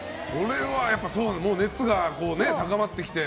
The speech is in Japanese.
熱が高まってきて。